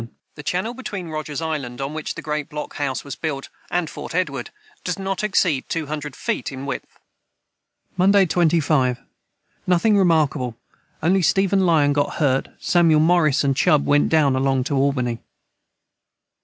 ] [Footnote 78: The channel between Rogers's island, on which the great blockhouse was built, and Fort Edward, does not exceed two hundred feet in width.] Monday 25. Nothing remarkable only Stephen Lyon got hurt Samuel Morris & Chub went down along to Albany.